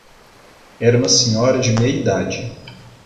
Era uma senhora de meia idade.